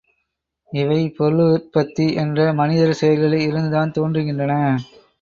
இவை பொருளுற்பத்தி என்ற மனிதர் செயல்களில் இருந்துதான் தோன்றுகின்றன.